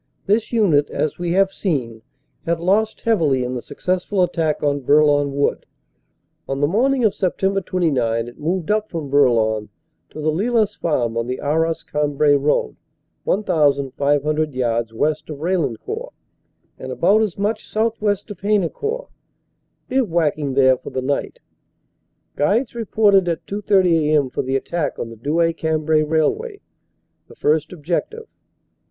This unit, as we have seen, had lost heavily in the successful attack on Bourlon Wood. On the morning of Sept. 29 it moved up from Bourlon to the Lillas farm on the Arras Cambrai road 1,500 yards west of Raillencourt and about as much southwest of Haynecourt, bivouacking there for the night. Guides reported at 2.30 a.m. for the attack on the Douai Cambrai railway, the first objec tive.